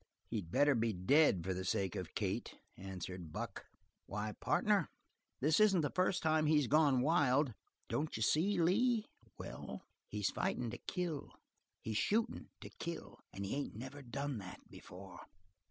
"He'd better be dead for the sake of Kate," answered Buck. "Why, partner, this isn't the first time he's gone wild." "Don't you see, Lee?" "Well?" "He's fighting to kill. He's shooting to kill, and he ain't ever done that before.